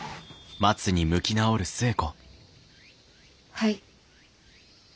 はい。